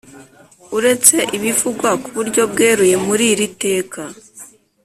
Uretse ibivugwa ku buryo bweruye muri iri teka